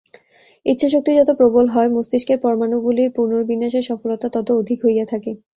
ইচ্ছাশক্তি যত প্রবল হয়, মস্তিষ্কের পরমাণুগুলির পুনর্বিন্যাসের সফলতা তত অধিক হইয়া থাকে।